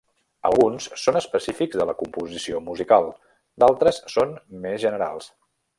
Alguns són específics de la composició musical; d'altres són més generals.